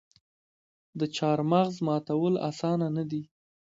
د چهارمغز ماتول اسانه نه دي.